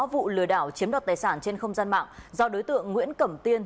vụ lừa đảo chiếm đoạt tài sản trên không gian mạng do đối tượng nguyễn cẩm tiên